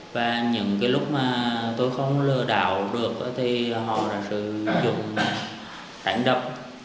vì lúc mà tôi không lừa đảo được thì họ đã sử dụng đánh đập